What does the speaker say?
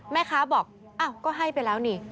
แม่ค้าบอกอ้าวก็ให้ไปแล้วนี่